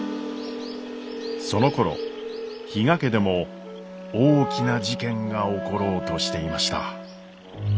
そのころ比嘉家でも大きな事件が起ころうとしていました。